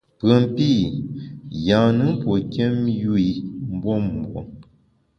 Pùen pî, yâ-nùn pue nkiém yu i mbuembue.